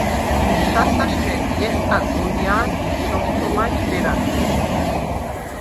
სასაშხენ – ჲესტატ ვონია̄ნ ი როსტომაჲ ბერაძე.